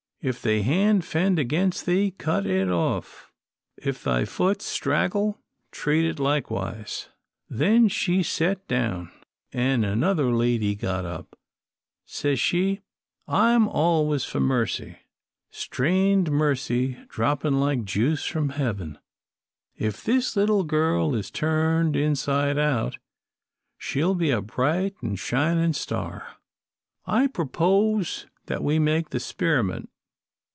If thy hand 'fend against thee cut it off. If thy foot straggle, treat it likewise.' "Then she set down, an' another lady got up. Says she, 'I'm always for mercy strained mercy dropping like juice from heaven. If this little girl is turned inside out, she'll be a bright an' shinin' light. I prepose that we make the 'speriment.